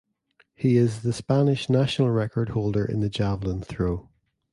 He is the Spanish national record holder in the javelin throw.